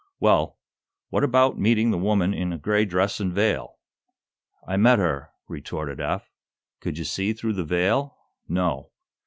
"Well, what about meeting the woman in a gray dress and veil?" "I met her," retorted Eph. "Could you see through the veil?" "No."